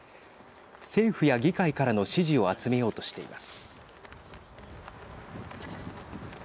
政府や議会からの支持を集めようとしています。